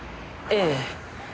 ええ。